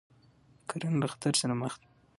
کرنه له خطر سره مخ ده.